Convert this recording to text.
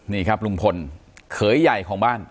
นี่ครับลุงพลเขยใหญ่ของบ้าน